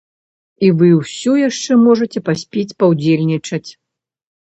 І вы ўсё яшчэ можаце паспець паўдзельнічаць!